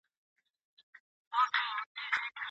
ولي هڅاند سړی د لوستي کس په پرتله موخي ترلاسه کوي؟